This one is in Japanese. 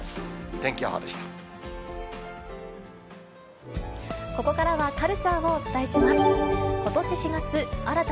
天気予報でした。